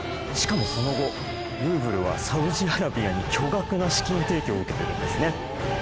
しかもその後ルーヴルはサウジアラビアに巨額な資金提供を受けてるんですね。